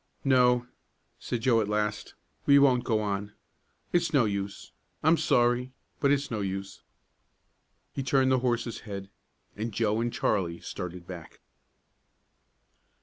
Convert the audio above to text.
"No," Joe said, at last, "we won't go on. It's no use. I'm sorry, but it's no use." He turned the horse's head, and Joe and Charlie started back.